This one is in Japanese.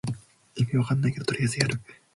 意味わかんないけどとりあえずやる